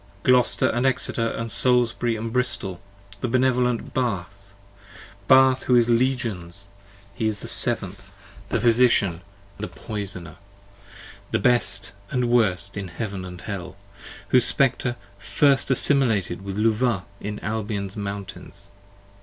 6 1 Gloucester and Exeter and Salisbury and Bristol; and benevolent Bath, p. 41 BATH who is Legions; he is the Seventh, the physician and 45 The poisoner; the best and worst in Heaven and Hell; Whose Spectre first assimilated with Luvah in Albion's mountains.